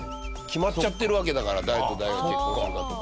決まっちゃってるわけだから誰と誰が結婚するだとか。